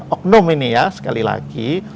oknum ini ya sekali lagi